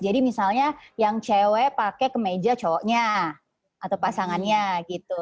jadi misalnya yang cewek pakai kemeja cowoknya atau pasangannya gitu